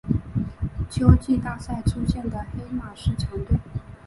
秋季大赛出现的黑马式强队。